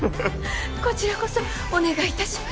こちらこそお願いいたします。